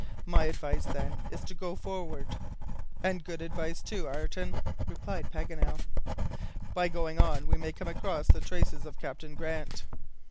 My advice, then, is to go forward." "And good advice too, Ayrton," replied Paganel. "By going on we may come across the traces of Captain Grant.